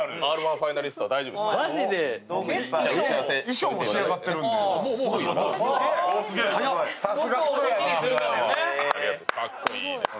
ファイナリスト、大丈夫です。